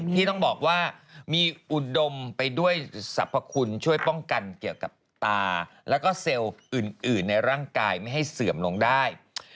ที่ต้องบอกว่ามีอุดมไปด้วยสรรพคุณช่วยป้องกันเกี่ยวกับตาแล้วก็เซลล์อื่นในร่างกายไม่ให้เสื่อมลงได้